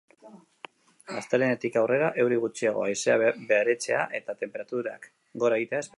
Astelehenetik aurrera euri gutxiago, haizea baretzea eta tenperaturak gora egitea espero da.